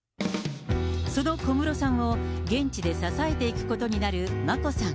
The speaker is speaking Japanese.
その小室さんを、現地で支えていくことになる眞子さん。